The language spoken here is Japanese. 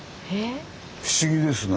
不思議ですね。